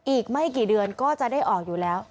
อีกไม่กี่เดือนก็จะได้ออกอยู่แล้ว